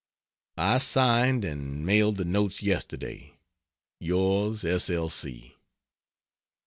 I signed and mailed the notes yesterday. Yours S. L. C.